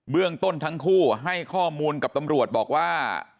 เรื่องต้นทั้งคู่ให้ข้อมูลกับตำรวจบอกว่า